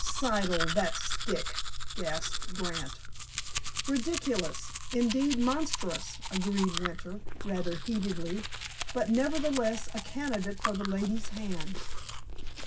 "Siddle! That stick!" gasped Grant. "Ridiculous, indeed monstrous," agreed Winter, rather heatedly, "but nevertheless a candidate for the lady's hand."